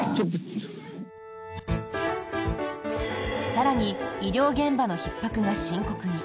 更に医療現場のひっ迫が深刻に。